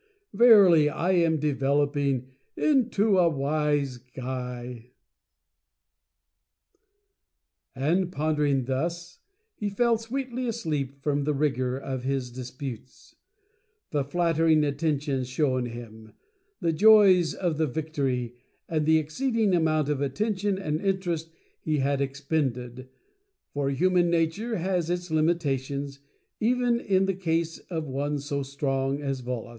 Verily, am I developing into a Wise Guy!" THE LAST STRAW. And, pondering thus, he fell sweetly asleep from the rigor of the disputes; the flattering attentions shown him ; the joy of the victory ; and the exceeding amount of attention and interest he had expended, for Human Nature has its limitations, even in the case of one so Strong as Volos.